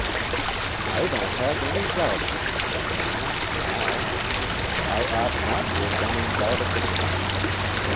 "I don't have any doubt of it, Mr. Warner now. I ought not to have been in doubt at the time.